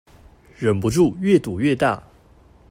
忍不住越賭越大